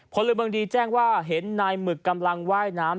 พลเมืองดีแจ้งว่าเห็นนายหมึกกำลังว่ายน้ำ